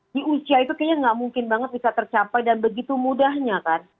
di usia itu kayaknya nggak mungkin banget bisa tercapai dan begitu mudahnya kan